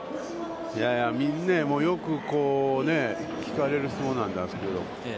いやいや、みんなによく聞かれる質問なんですけど。